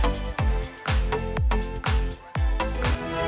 mentayat tanzil imam muherib bogor jawa barat